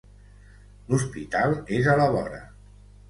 L'hospital és a la vora.